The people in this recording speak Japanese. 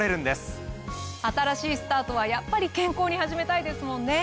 新しいスタートはやっぱり健康に始めたいですもんね。